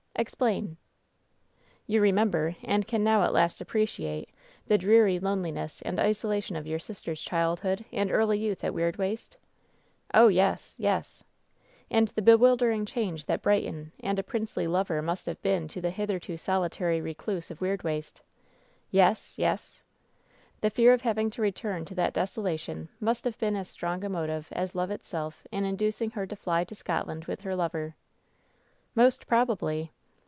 "Explain." "You remember, and can now at last appreciate, the 244 WHEN SHADOWS DIE dreary loneliness and isolation of your sister's childhood and early youth at Weirdwaste ?" "Oh, yes ! yes !" *^And the bewildering change that Brighton and a princely lover must have been to the hitherto solitary recluse of Weirdwaste ?" "Yes, yes!" "The fear of having to return to that desolation must have been as strong a motive as love itself in inducing her to fly to Scotland with her lover.'' "Most probably."